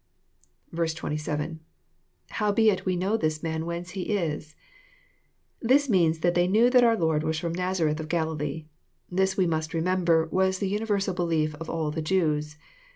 »» 27. — [^Howheit we know this man wheiice he is,'] This means that they knew that our Lord was f)*om Nasiareth of Galilee. This, we must remember, was the universal belief of all the Jews.